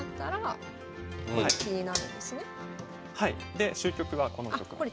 で終局はこの局面です。